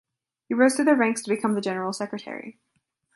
He rose through the ranks to become the General Secretary.